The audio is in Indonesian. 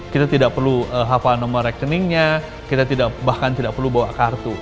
kita tidak perlu hafal nomor rekeningnya kita tidak bahkan tidak perlu bawa kartu